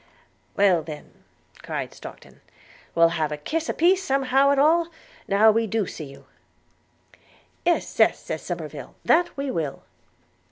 'Well then,' cried Stockton, 'we'll have a kiss a piece somehow at all, now we do see you.' 'Yes, yes,' said Somerive, 'that we will.'